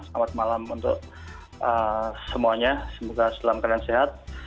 selamat malam untuk semuanya semoga dalam keadaan sehat